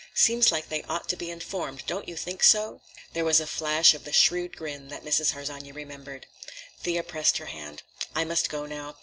Seems like they ought to be informed, don't you think so?" There was a flash of the shrewd grin that Mrs. Harsanyi remembered. Thea pressed her hand. "I must go now.